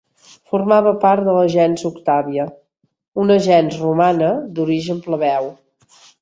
Formava part de la gens Octàvia, una gens romana d'origen plebeu.